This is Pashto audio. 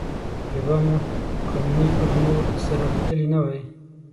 طالبانو، قانوني او نور سره کتلي نه وای.